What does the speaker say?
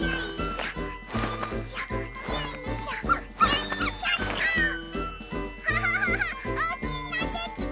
おおきいのできた！